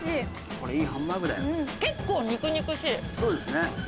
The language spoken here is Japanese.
そうですね。